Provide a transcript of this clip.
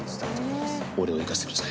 俺を行かせてください